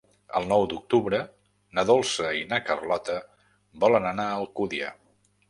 El nou d'octubre na Dolça i na Carlota volen anar a Alcúdia.